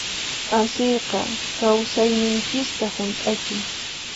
Asiyqa kawsayninchista hunt'achin.